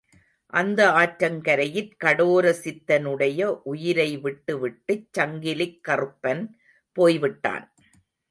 அந்த ஆற்றங்கரையிற் கடோரசித்தனுடைய உயிரை விட்டு விட்டுச் சங்கிலிக் கறுப்பன் போய் விட்டான்.